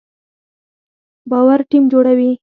باور ټیم جوړوي